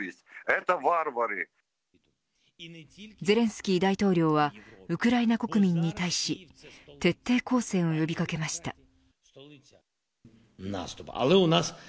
ゼレンスキー大統領はウクライナ国民に対し徹底抗戦を呼び掛けました。